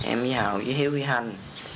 em với hàu với hiếu với hanh